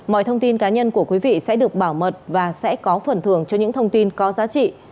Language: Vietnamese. mọi thông tin cá nhân của quý vị sẽ được bảo mật và sẽ có phần thưởng cho những thông tin có giá trị